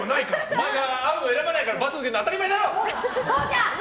お前が合うの選ばないから罰受けるのは当たり前だろ！